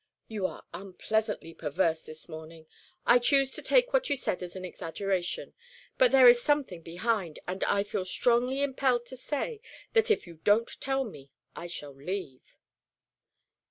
"You are unpleasantly perverse this morning. I choose to take what you said as an exaggeration; but there is something behind, and I feel strongly impelled to say that if you don't tell me I shall leave."